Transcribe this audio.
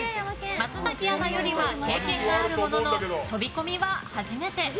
松崎アナよりは経験があるものの飛び込みは初めて。